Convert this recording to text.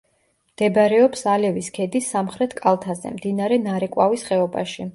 მდებარეობს ალევის ქედის სამხრეთ კალთაზე, მდინარე ნარეკვავის ხეობაში.